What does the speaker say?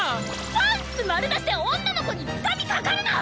パンツ丸出しで女の子につかみかかるな！